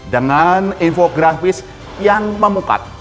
dengan infografis yang memukat